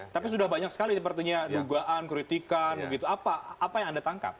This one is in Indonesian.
tapi sudah banyak sekali sepertinya dugaan kritikan begitu apa yang anda tangkap